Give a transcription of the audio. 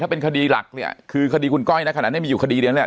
เป็นคดีหลักเนี่ยคือคดีคุณก้อยนะขนาดนี้มีอยู่คดีเดียวเนี่ย